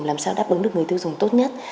làm sao đáp ứng được người tiêu dùng tốt nhất